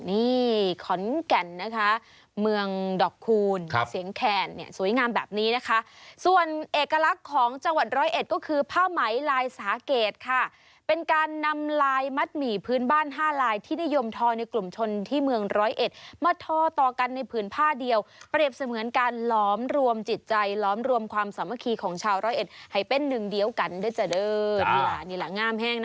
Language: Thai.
นี่ขอนแก่นนะคะเมืองดอกคูณเสียงแขนเนี่ยสวยงามแบบนี้นะคะส่วนเอกลักษณ์ของจังหวัดร้อยเอ็ดก็คือผ้าไหมลายสาเกตค่ะเป็นการนำลายมัดหมี่พื้นบ้านห้าลายที่นิยมทอในกลุ่มชนที่เมืองร้อยเอ็ดมาทอต่อกันในผืนผ้าเดียวเปรียบเสมือนการล้อมรวมจิตใจล้อมรวมความสามัคคีของชาวร้อยเอ็ดให้เป็นหนึ่งเดียวกันด้วยจ้เด้อนี่แหละงามแห้งนะ